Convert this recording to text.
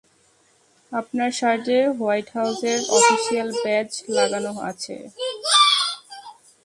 আপনার শার্টে হোয়াইট হাউসের অফিশিয়াল ব্যাজ লাগানো আছে!